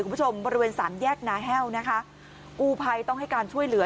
คุณผู้ชมบริเวณ๓แยกนาแฮล์อูภัยต้องให้การช่วยเหลือ